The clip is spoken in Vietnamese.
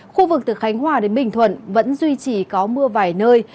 khu vực từ khánh hòa đến bình thuận vẫn duy trì có mưa vài nơi